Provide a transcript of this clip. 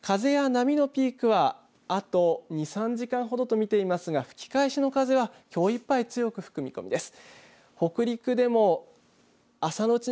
風や波のピークはあと２３時間ほどと見ていますが吹き返しの風はきょういっぱい強く吹く見込みです。